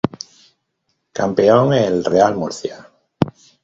Campeón el Real Murcia.